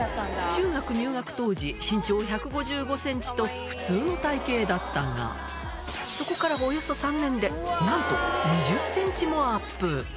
中学入学当時、身長１５５センチと普通の体形だったが、そこからおよそ３年で、なんと２０センチもアップ。